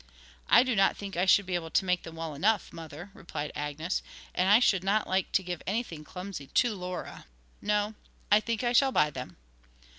'I do not think I should be able to make them well enough, mother,' replied Agnes; 'and I should not like to give anything clumsy to Laura. No, I think I shall buy them.'